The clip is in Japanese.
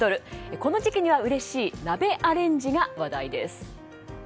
この時期にうれしい鍋アレンジが話題です。